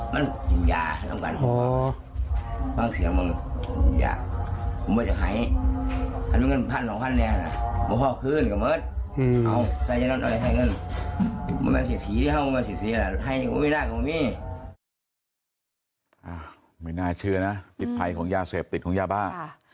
ไม่น่าเชื่อนะผิดภัยของยาเสพติดของยาบ้า